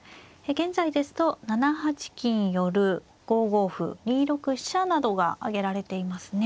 現在ですと７八金寄５五歩２六飛車などが挙げられていますね。